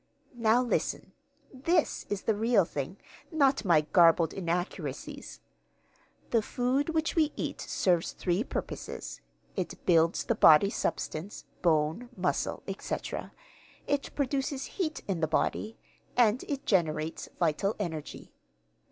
"Now listen. This is the real thing not my garbled inaccuracies. 'The food which we eat serves three purposes: it builds the body substance, bone, muscle, etc., it produces heat in the body, and it generates vital energy.